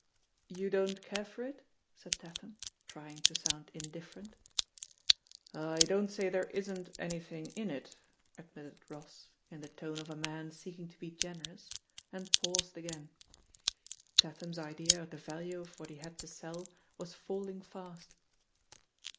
"You don't care for it?" said Tatham, trying to soimd indifferent. "I don't say there isn't anything in it," ad mitted Ross, in the tone of a man seeking to be generous, and paused again. Tatham's idea of the value of what he had to sell was falling fast.